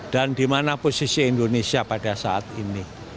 dan di mana posisi indonesia pada saat ini